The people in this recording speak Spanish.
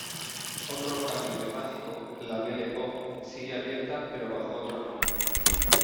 Otro local emblemático, "La Belle Pop", sigue abierta, pero bajo otro nombre.